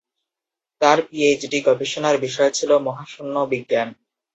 তার পিএইচডি গবেষণার বিষয় ছিল মহাশূন্য বিজ্ঞান।